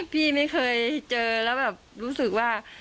พี่ไม่เคยเจอแล้วแบบรู้สึกว่า